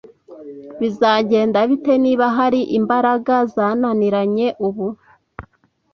Bizagenda bite niba hari imbaraga zananiranye ubu?